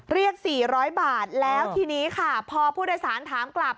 เรียก๔๐๐บาทแล้วทีนี้ค่ะพอผู้โดยสารถามกลับ